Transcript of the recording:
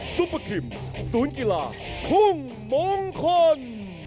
ซูเปอร์กิมศูนย์กีฬาพุ่งมองคล่อน